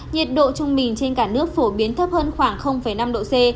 nhiệt độ trung bình trên cả nước phổ biến thấp hơn khoảng năm độ c